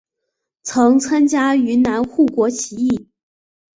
曾参加云南护国起义。